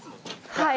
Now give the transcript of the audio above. はい。